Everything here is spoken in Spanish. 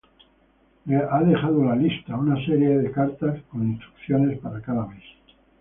Le ha dejado "La Lista", una serie de cartas con instrucciones para cada mes.